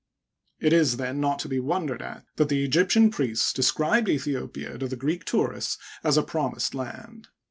It is, then, not to be wondered at that the Egyptian priests described Aethiopia to the Greek tourists as a promised land.